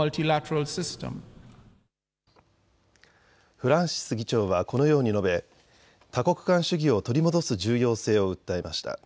フランシス議長はこのように述べ、多国間主義を取り戻す重要性を訴えました。